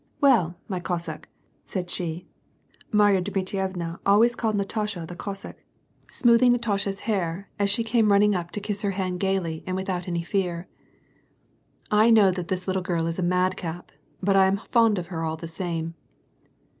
Well, my Cossack," said she (Marya Dmitrievna always called Natasha the Cossack), smoothing Natasha's hair 1 WAR AND PEACE. 71 as she came running up to kiss her hand gayly and without any fear. " I know that this little girl is a madcap, but I am fond of her all the same."